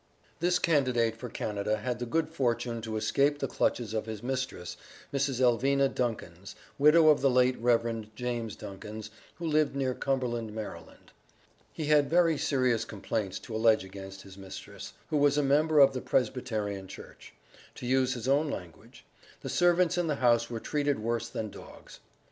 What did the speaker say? This candidate for Canada had the good fortune to escape the clutches of his mistress, Mrs. Elvina Duncans, widow of the late Rev. James Duncans, who lived near Cumberland, Md. He had very serious complaints to allege against his mistress, "who was a member of the Presbyterian Church." To use his own language, "the servants in the house were treated worse than dogs."